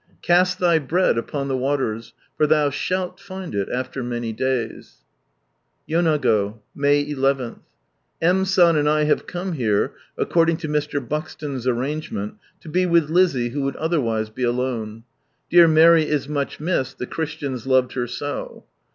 "Cast thy bread upon the waters, for thou shall find it after many days." Yonago. May 11. — M. San and I have come here, according to Mr, Buxton's arrangement, to be with Lizzie, who would otherwise be alone. Dear Mary is much missed, the Christians ioved her so.